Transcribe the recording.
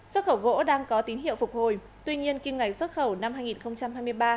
xuất khẩu gỗ đang có tín hiệu phục hồi tuy nhiên kim ngạch xuất khẩu năm hai nghìn hai mươi ba